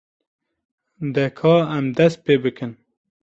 De ka em dest pê bikin.